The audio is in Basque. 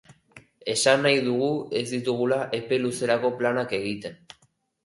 Esan nahi dugu ez ditugula epe luzerako planak egiten.